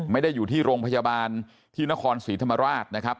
ไม่ได้อยู่ที่โรงพยาบาลที่นครศรีธรรมราชนะครับ